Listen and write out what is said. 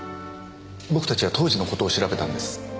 僕たちは当時のことを調べたんです。